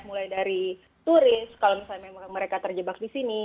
mulai dari turis kalau misalnya mereka terjebak di sini